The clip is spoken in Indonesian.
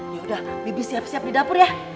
yaudah bibi siap siap di dapur ya